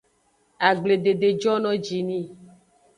Agbledede jono ji ni.